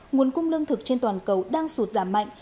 nguồn cung lương thực trên toàn cầu đang sụt giảm mạnh